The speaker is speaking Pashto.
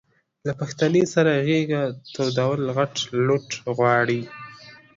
له پښتنې سره غېږه تودول غټ لوټ غواړي.